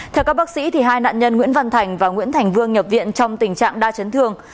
theo các bác sĩ hai nạn nhân nguyễn văn thành và nguyễn thành vương nhập viện trong tình trạng đa chấn thương